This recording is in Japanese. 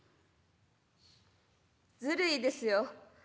ずるいですよ。